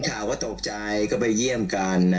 ก็ตกใจไปเยี่ยมกัน